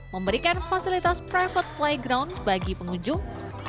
memberikan fasilitas private playground bagi pengunjung